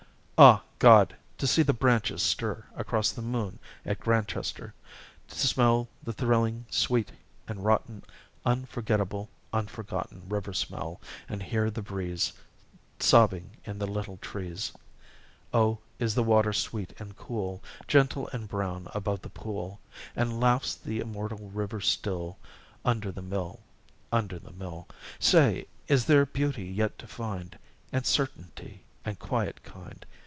"'Ah, God! to see the branches stir Across the moon at Grantchester! To smell the thrilling sweet and rotten Unforgettable, unforgotten River smell, and hear the breeze Sobbing in the little trees. Oh, is the water sweet and cool, Gentle and brown, above the pool? And laughs the immortal river still Under the mill, under the mill? Say, is there Beauty yet to find? And Certainty? and Quiet kind?